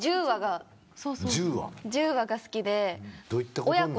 １０話が好きで。